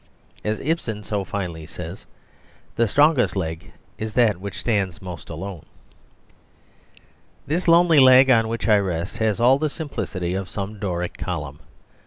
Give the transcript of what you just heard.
As Ibsen so finely says, the strongest leg is that which stands most alone. This lonely leg on which I rest has all the simplicity of some Doric column.